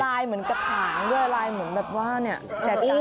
เหมือนกระถางด้วยลายเหมือนแบบว่าเนี่ยแจก